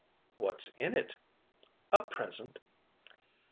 "What's in it?" "A present."